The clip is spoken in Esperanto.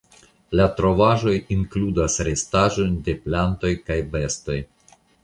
La trovaĵoj inkludas restaĵojn de plantoj kaj bestoj.